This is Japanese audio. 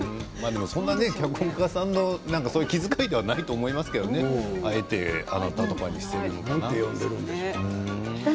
脚本家さんの気遣いではないと思いますけどあえてあなたとかにしているのかな。